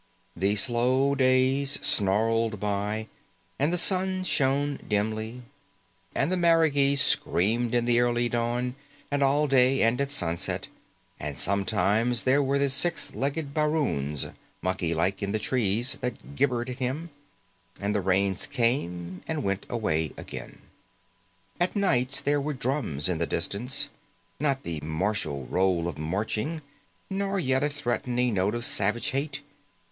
The slow days snarled by, and the sun shone dimly, and the marigees screamed in the early dawn and all day and at sunset, and sometimes there were the six legged baroons, monkey like in the trees, that gibbered at him. And the rains came and went away again. At nights there were drums in the distance. Not the martial roll of marching, nor yet a threatening note of savage hate.